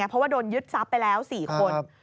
เพราะว่าโดนยึดทรัพย์ไปแล้ว๔คน